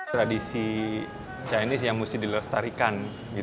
tradisi chinese yang mesti dilestarikan